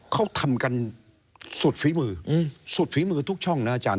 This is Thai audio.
เขาทำกันสุดฝีมือสุดฝีมือทุกช่องนะอาจารย